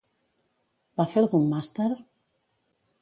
Va fer algun màster?